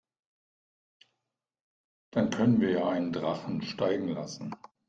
Dann können wir ja einen Drachen steigen lassen.